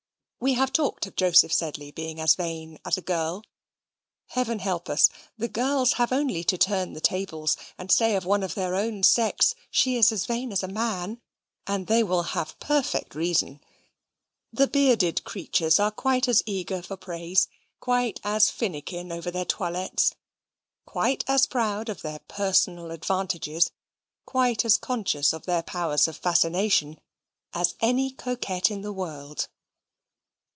We have talked of Joseph Sedley being as vain as a girl. Heaven help us! the girls have only to turn the tables, and say of one of their own sex, "She is as vain as a man," and they will have perfect reason. The bearded creatures are quite as eager for praise, quite as finikin over their toilettes, quite as proud of their personal advantages, quite as conscious of their powers of fascination, as any coquette in the world.